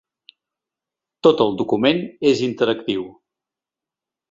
Tot el document és interactiu.